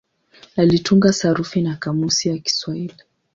Alitunga sarufi na kamusi ya Kiswahili.